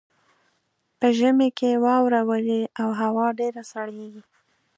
په ژمي کې واوره اوري او هوا ډیره سړیږي